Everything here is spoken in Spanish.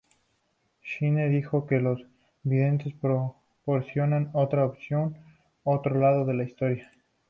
Shine dijo que los videntes proporcionan "otra opinión, otro lado de la historia".